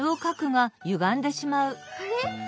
あれ？